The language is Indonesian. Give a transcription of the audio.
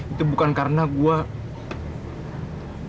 itu bukan karena gue